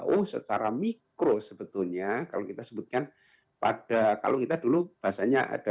oh secara mikro sebetulnya kalau kita sebutkan pada kalau kita dulu bahasanya ada